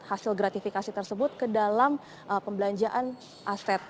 hasil gratifikasi tersebut ke dalam pembelanjaan aset